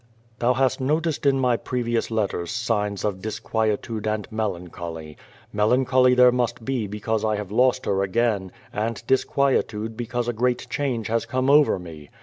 Thou hast noticed in my previous letters signs of disquie tude and melancholy. Melancholy there must be because I have lost her again, and disquietude l)ecausc a great change has come over me.